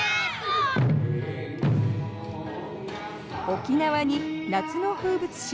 沖縄に夏の風物詩